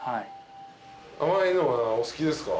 甘いのはお好きですか？